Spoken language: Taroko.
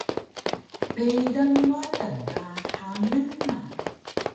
Peydang Watan ka hangan na